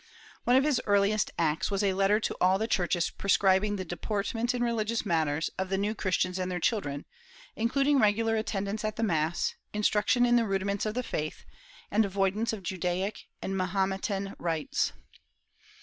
One of his earliest acts was a letter to all the churches prescribing the deportment, in religious matters, of the New Christians and their children, including regular attendance at the mass, instruction in the rudi ments of the faith, and avoidance of Judaic and Mahometan rites.